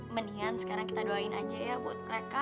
mendingan sekarang kita doain aja ya buat mereka